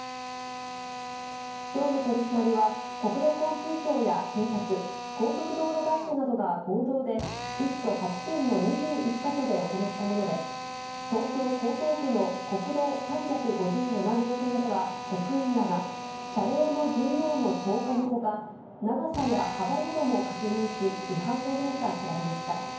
きょうの取締りは、国土交通省や警察、高速道路会社などが合同で１都８県の２１か所で行ったもので、東京・江東区の国道３５７号線では、職員らが車両の重量の超過のほか、長さや幅なども確認し、違反がないか調べました。